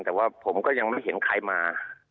แต่ว่าผมก็ยังไม่เห็นใครมา